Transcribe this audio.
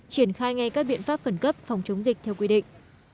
triển khai ngay các biện pháp khẩn cấp phòng chống dịch theo quy định